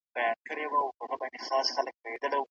دا کتاب د نړۍ په سلو غوره آثارو کې لومړی دی.